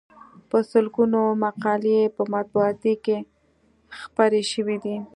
په سلګونو مقالې یې په مطبوعاتو کې خپرې شوې دي.